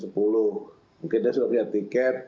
mungkin dia sudah punya tiket